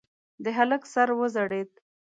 د هلک سر وځړېد.